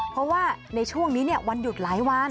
เพราะว่าในช่วงนี้วันหยุดหลายวัน